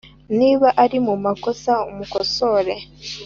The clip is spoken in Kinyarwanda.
niba ari mu makosa umukosore